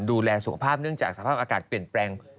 ดูแลสุขภาพเนื่องจากสภาพอากาศเปลี่ยนแปลง